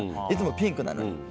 いつもピンクなのに。